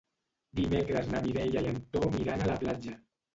Dimecres na Mireia i en Tom iran a la platja.